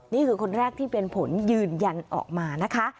นี่คือคนแรกที่เป็นผลยืนยันออกมานะคะ